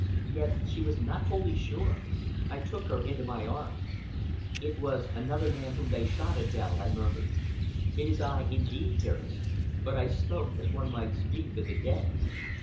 Yet she was not wholly sure! I took her into my arms! "It was another man whom they shot, Adèle," I murmured. "It is I indeed, dearest." But I spoke as one might speak to the dead.